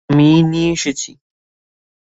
আমিই নিয়ে এসেছি।